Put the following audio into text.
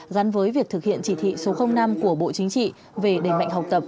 gắn với việc thực hiện chỉ thị số năm của bộ chính trị về đẩy mạnh học tập